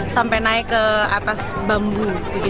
sampai naik ke atas bambu